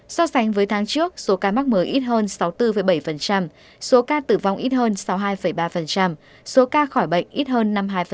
so sánh với tháng trước số ca mắc mới ít hơn sáu mươi bốn bảy số ca tử vong ít hơn sáu mươi hai ba số ca khỏi bệnh ít hơn năm mươi hai